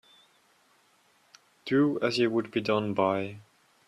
Do as you would be done by.